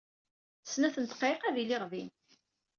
Snat n ddqayeq ad d-iliɣ din.